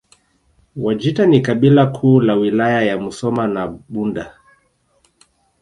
Wajita ni kabila kuu la Wilaya ya Musoma na Bunda